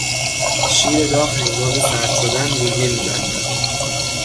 شیر داغ هنگام سرد شدن رویه میبندد.